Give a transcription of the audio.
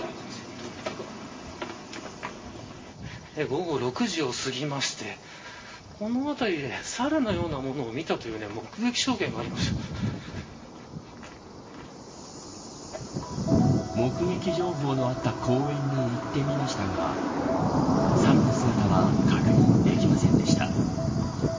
午後６時を過ぎましてこの辺りでサルのようなものを見たという目撃情報のあった公園に行ってみましたがサルの姿は確認できませんでした。